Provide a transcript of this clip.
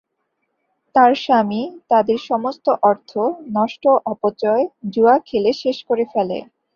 তার স্বামী তাদের সমস্ত অর্থ নষ্ট অপচয়, জুয়া খেলে শেষ করে ফেলে।